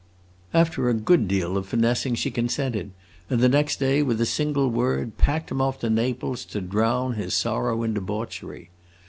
After a good deal of finessing she consented, and the next day, with a single word, packed him off to Naples to drown his sorrow in debauchery.